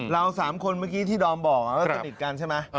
เราสามคนเมื่อกี้ที่ดอมบอกนะแล้วก็สนิทกันใช่มะ